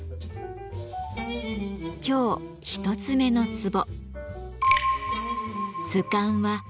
今日一つ目のツボ